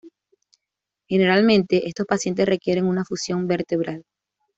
Generalmente, estos pacientes requieren una fusión vertebral.